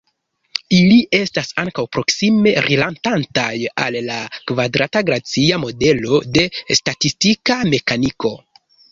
Ili estas ankaŭ proksime rilatantaj al la kvadrata glacia modelo de statistika mekaniko.